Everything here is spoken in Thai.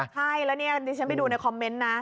ใช่แล้วเนี่ยดิฉันไปดูในคอมเมนต์นะ